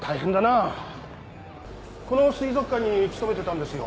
この水族館に勤めてたんですよ